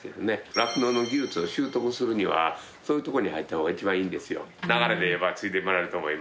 酪農の技術を習得するにはそういうとこに入った方が一番いいんですよ。